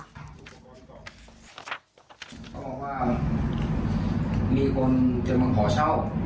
เขาบอกว่ามีคนจะมาขอเช่า